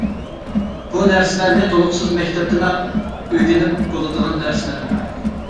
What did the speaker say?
بۇ نەرسىلەرنى تولۇقسىز مەكتەپتىلا ئۆگىنىپ بولىدىغان نەرسىلەر.